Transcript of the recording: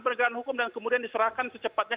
penegakan hukum dan kemudian diserahkan secepatnya